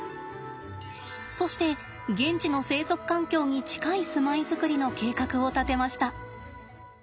そして現地の生息環境に近い住まい作りの計画を立てました。